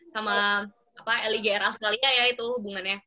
sama apa l i g r a soalnya ya itu hubungannya